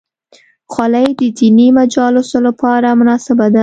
خولۍ د دیني مجالسو لپاره مناسبه ده.